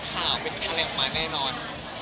ก็เลยเอาข้าวเหนียวมะม่วงมาปากเทียน